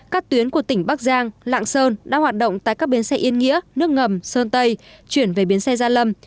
các tuyến của tỉnh bắc giang lạng sơn đã hoạt động tại các bến xe yên nghĩa nước ngầm sơn tây chuyển về biến xe gia lâm